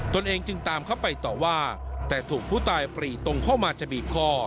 ตัวเองจึงตามเข้าไปต่อว่าแต่ถูกผู้ตายปรีตรงเข้ามาจะบีบคอ